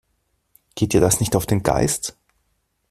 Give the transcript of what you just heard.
Geht dir das nicht auf den Geist?